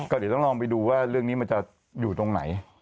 ก็เดี๋ยวต้องลองไปดูว่าเรื่องนี้มันจะอยู่ตรงไหน